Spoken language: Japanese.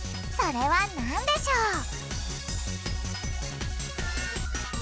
それはなんでしょう？